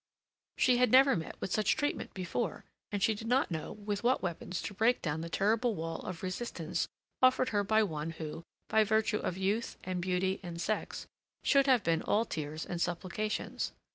She had never met with such treatment before, and she did not know with what weapons to break down the terrible wall of resistance offered her by one who, by virtue of youth and beauty and sex, should have been all tears and supplications.